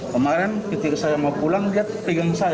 kemarin ketika saya mau pulang dia pegang saya